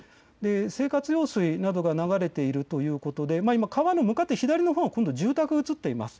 生活用水などが流れているということで今、川の向かって左のほう、住宅が写っています。